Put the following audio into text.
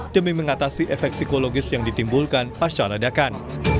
demi mengatasi efek psikologis yang ditimbulkan pasca ledakan